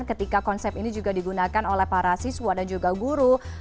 ketika konsep ini juga digunakan oleh para siswa dan juga guru